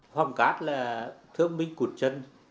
hoàng cát là thương minh cụt chân